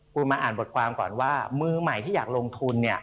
คุณมาอ่านบทความก่อนว่ามือใหม่ที่อยากลงทุน